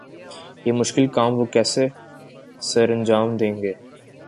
یہ مشکل کام وہ کیسے سرانجام دیں گے؟